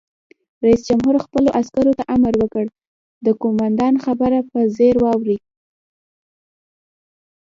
رئیس جمهور خپلو عسکرو ته امر وکړ؛ د قومندان خبره په ځیر واورئ!